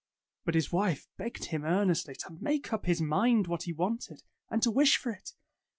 But his wife begged him earnestly to make up his mind what he wanted, and to wish for it.